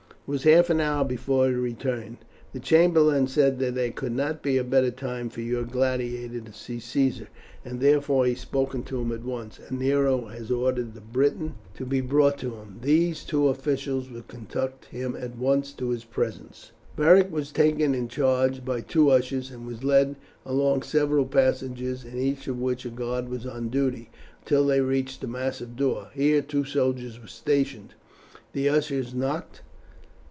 It was half an hour before he returned. "The chamberlain said that there could not be a better time for your gladiator to see Caesar, and therefore he has spoken to him at once, and Nero has ordered the Briton to be brought to him. These two officials will conduct him at once to his presence." Beric was taken in charge by the two ushers, and was led along several passages, in each of which a guard was on duty, until they reached a massive door. Here two soldiers were stationed. The ushers knocked.